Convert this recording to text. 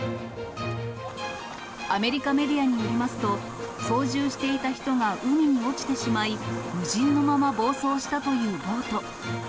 アメリカメディアによりますと、操縦していた人が海に落ちてしまい、無人のまま暴走したというボート。